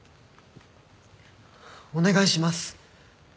お願いします。